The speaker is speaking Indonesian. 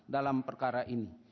dalam perkara ini